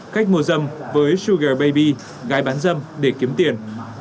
khách môi dâm với sugar baby gái bán dâm để kiếm tiền